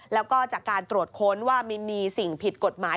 แล้วก็จากการตรวจค้นว่ามินมีสิ่งผิดกฎหมาย